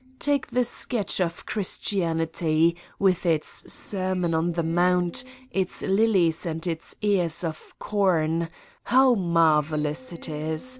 Take the sketch of Christianity, with its sermon on the Mount, its lilies and its ears of corn, how marvelous it is!